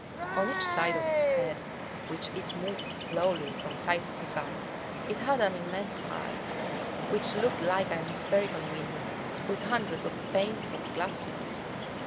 On each side of its head, which it moved slowly from side to side, it had an immense eye, which looked like a hemispherical window, with hundreds of panes of glass in it.